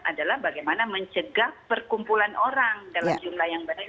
adalah bagaimana mencegah perkumpulan orang dalam jumlah yang berat